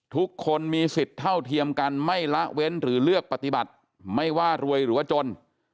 ทุกคนมีสิทธิ์เท่าเทียมกันไม่ละเว้นหรือเลือกปฏิบัติไม่ว่ารวยหรือว่าจน